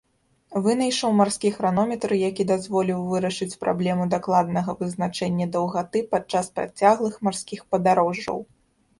Вынайшаў марскі хранометр, які дазволіў вырашыць праблему дакладнага вызначэння даўгаты падчас працяглых марскіх падарожжаў.